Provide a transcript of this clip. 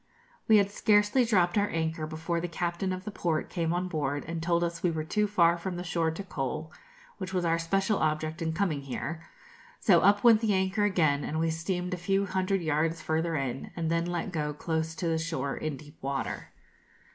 We had scarcely dropped our anchor before the captain of the port came on board, and told us we were too far from the shore to coal, which was our special object in coming here; so up went the anchor again, and we steamed a few hundred yards further in, and then let go close to the shore, in deep water.